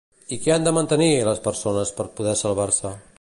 I què han de mantenir les persones per poder salvar-se?